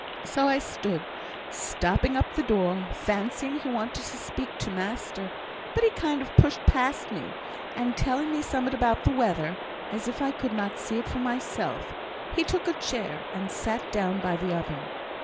So I stood, stopping up the door, fancying he wanted to speak to master; but he kind of pushed past me, and telling me summut about the weather (as if I could not see it for myself), he took a chair, and sat down by the oven.